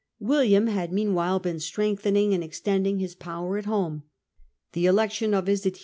William had meanwhile been strengthening and ex tending his power at home. The election of his adhc